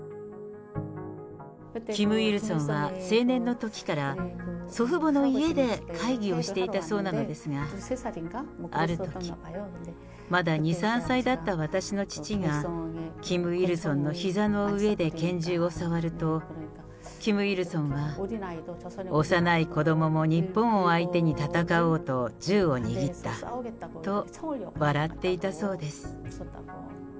キム・イルソンは青年のときから、祖父母の家で会議をしていたそうなのですが、あるとき、まだ２、３歳だった私の父が、キム・イルソンのひざの上で拳銃を触ると、キム・イルソンは、幼い子どもも日本を相手に戦おうと銃を握ったと笑っていたそうです。